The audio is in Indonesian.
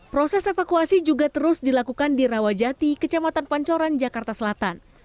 proses evakuasi juga terus dilakukan di rawajati kecamatan pancoran jakarta selatan